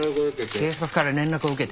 警察から連絡を受けて。